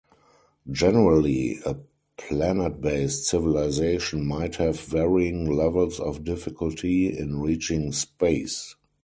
Generally, a planet-based civilization might have varying levels of difficulty in reaching space.